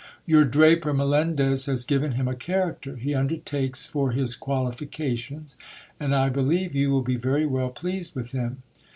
Your draper, Melendez, has given him a character ; he undert^kesfor his qualifications, and I believe you will be very well pleased with him.